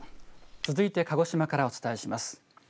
続いて鹿児島からお伝えします。